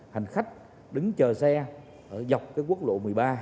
hành khách đứng chờ xe ở dọc quốc lộ một mươi ba